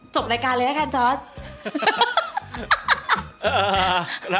จบรายการเลยนะคะจอร์ด